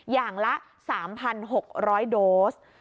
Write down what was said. อย่างละ๓๖๐๐โดส